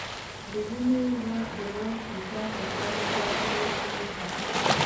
د وینې د لوړ فشار لپاره باید څه شی وکاروم؟